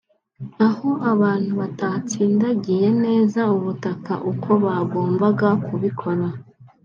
aho abantu batatsindagiye neza ubutaka uko bagombaga kubikora